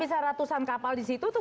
tidak ada ratusan kapal di situ tuh